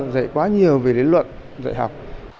dạy quá nhiều về lý luận dạy học